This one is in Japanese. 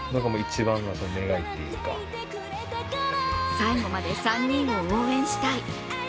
最後まで３人を応援したい。